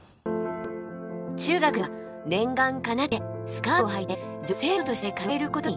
中学では念願かなってスカートをはいて女子生徒として通えることに。